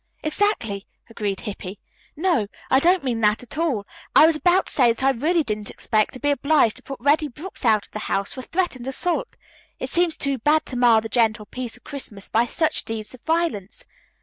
"Exactly," agreed Hippy. "No, I don't mean that at all. I was about to say that I really didn't expect to be obliged to put Reddy Brooks out of the house for threatened assault. It seems too bad to mar the gentle peace of Christmas by such deeds of violence."